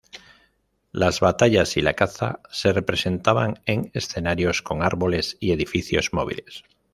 Las batallas y la caza se representaban en escenarios con árboles y edificios móviles.